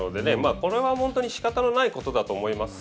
これは本当に仕方のないことだと思います。